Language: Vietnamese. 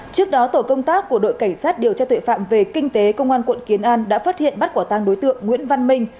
trước đó tổ công tác của đội cảnh sát điều tra tuệ phạm về kinh tế công an quận kiến an đã phát hiện bắt quả tăng đối tượng nguyễn văn minh